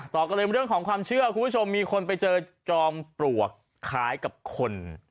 ต่อกันเลยเรื่องของความเชื่อคุณผู้ชมมีคนไปเจอจอมปลวกคล้ายกับคน